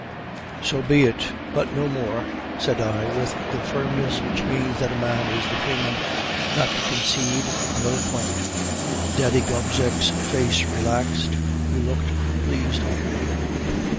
"'So be it, but no more,' said I, with the firmness which means that a man is determined not to concede another point. "Daddy Gobseck's face relaxed; he looked pleased with me.